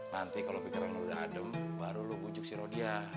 nanti kalau pikiran udah adem baru lo bujuk si rodia